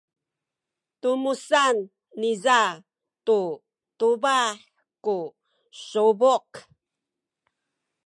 tumesan niza tu tubah ku subuk.